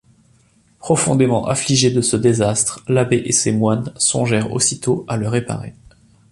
Profondément affligés de ce désastre, l’abbé et ses moines songèrent aussitôt à le réparer.